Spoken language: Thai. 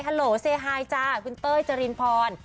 โหลเซไฮจ้าคุณเต้ยจรินพร